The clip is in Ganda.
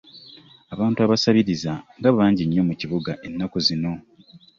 Abantu abasabiriza nga bangi nnyo mu kibuga ennaku zino.